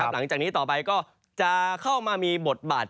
หลังจากนี้ต่อไปก็จะเข้ามามีบทบาท